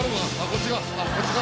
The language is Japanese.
こっちか？